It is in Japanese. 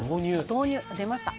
「豆乳！出ました」